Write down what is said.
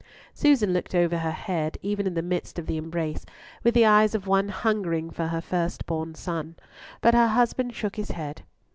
Susan looked over her head, even in the midst of the embrace, with the eyes of one hungering for her first born son, but her husband shook his head.